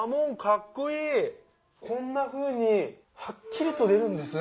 こんなふうにハッキリと出るんですね